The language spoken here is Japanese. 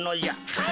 はい。